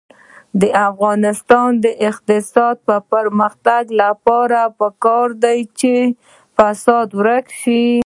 د افغانستان د اقتصادي پرمختګ لپاره پکار ده چې فساد ورک شي.